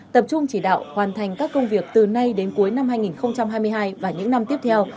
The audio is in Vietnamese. tập trung chỉ đạo hoàn thành các công việc từ nay đến cuối năm hai nghìn hai mươi hai và những năm tiếp theo